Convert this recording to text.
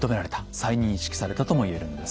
再認識されたとも言えるんです。